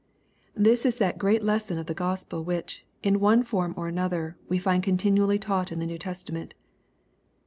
This is that great lesson of the Gospel which, in one form or another, we find continually taught in the New Testament.